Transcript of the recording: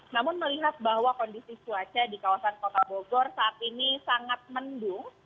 namun melihat bahwa kondisi cuaca di kawasan kota bogor saat ini sangat mendung